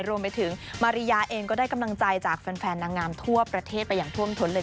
รวมไปถึงมาริยาเองก็ได้กำลังใจจากแฟนนางงามทั่วประเทศไปอย่างท่วมท้นเลย